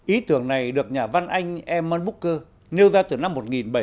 ý tưởng này được nhà văn anh eamon booker nêu ra từ năm một nghìn bảy trăm tám mươi bảy